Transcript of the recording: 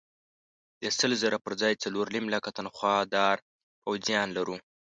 د سل زره پر ځای څلور نیم لکه تنخوادار پوځیان لرو.